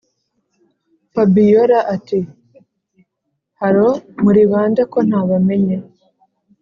fabiora ati”hallo muribande ko ntabamenye?”